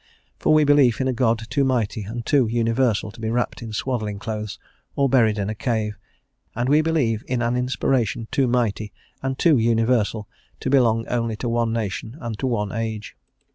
For we believe in a God too mighty and too universal to be wrapped in swaddling clothes or buried in a cave, and we believe in an inspiration too mighty and too universal to belong only to one nation and to one age.